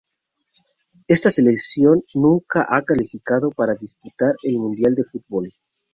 Esta selección nunca ha calificado para disputar el mundial de fútbol.